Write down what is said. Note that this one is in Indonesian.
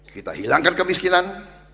kita hilangkan kemiskinan